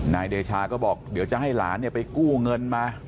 นายเดชาก็บอกเดี๋ยวจะให้หลานไปกู้เงินมา